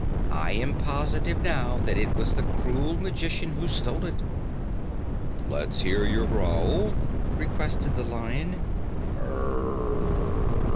I am positive now that it was the cruel magician who stole it." "Let's hear your growl," requested the Lion. "G r r r r r!"